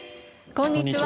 こんにちは。